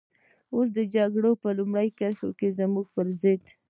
اوس د جګړې په لومړۍ کرښه کې زموږ پر ضد.